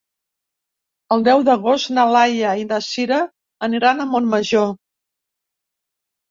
El deu d'agost na Laia i na Sira aniran a Montmajor.